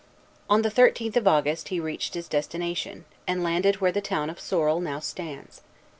On the thirteenth of August he reached his destination, and landed where the town of Sorel now stands.